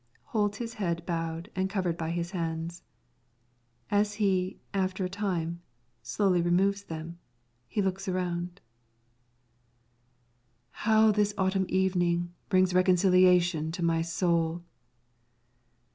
[Holds his head bowed and covered by his hands. As he, after a time, slowly removes them, he looks around.] How this autumn evening brings reconciliation to my soul!